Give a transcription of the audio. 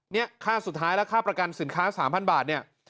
นี่ค่าสุดท้ายแล้วค่าประกันสินค้า๓๐๐๐บาท